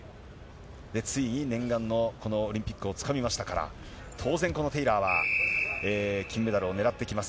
ついに念願のこのオリンピックをつかみましたから、当然、このテイラーは金メダルをねらってきます。